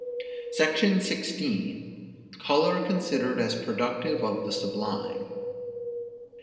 SECTION XVI. COLOR CONSIDERED AS PRODUCTIVE OF THE SUBLIME.